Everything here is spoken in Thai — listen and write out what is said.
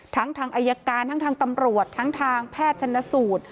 ทั้งอายการทั้งตำรวจทั้งแพทย์ชนสูตร